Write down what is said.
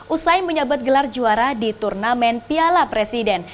usai menyabat gelar juara di turnamen piala presiden